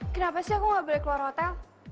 kenapa sih aku nggak boleh keluar hotel